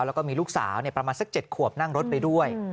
แล้วก็มีลูกสาวประมาณสัก๗ขวบนั่งรถไปด้วย